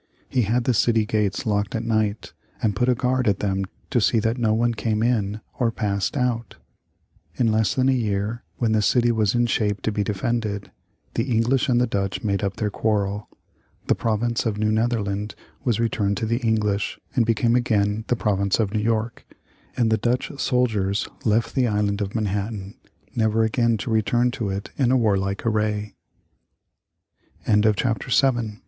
He had the city gates locked at night, and put a guard at them to see that no one came in or passed out. In less than a year, when the city was in shape to be defended, the English and the Dutch made up their quarrel. The province of New Netherland was returned to the English, and became again the province of New York, and the Dutch soldiers left the Island of Manhattan, never again to return to it in wa